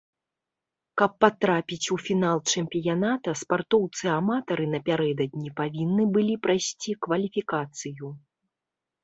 Каб патрапіць у фінал чэмпіяната, спартоўцы-аматары напярэдадні павінны былі прайсці кваліфікацыю.